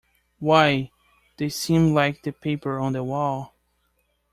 Why, they seemed like the paper on the wall.